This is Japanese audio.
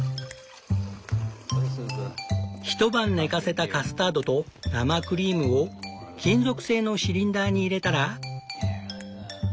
一晩寝かせたカスタードと生クリームを金属製のシリンダーに入れたら。